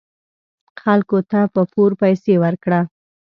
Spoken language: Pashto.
خلکو ته په پور پیسې ورکړه .